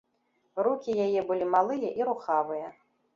Рукі яе былі малыя і рухавыя.